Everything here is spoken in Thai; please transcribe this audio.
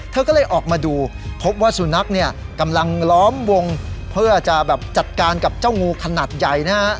เธอก็เลยออกมาดูพบว่าสุนัขเนี่ยกำลังล้อมวงเพื่อจะแบบจัดการกับเจ้างูขนาดใหญ่นะฮะ